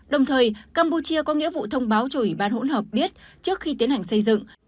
đồng thời campuchia có nghĩa vụ thông báo cho ủy ban hỗn hợp biết trước khi tiến hành xây dựng